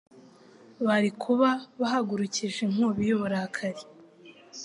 bari kuba bahagurukije inkubi y'uburakari,